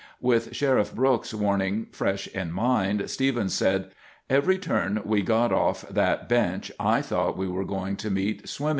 With Sheriff Brooks's warning fresh in mind, Stevens says, "Every turn we got off that bench, I thought we were going to meet swimming water."